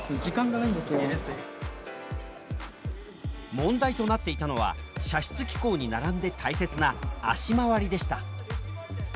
問題となっていたのは射出機構に並んで大切な足回りでした。